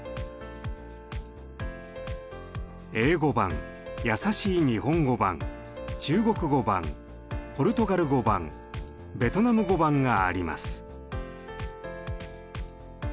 英語版やさしい日本語版中国語版ポルトガル語版ベトナム語版があります。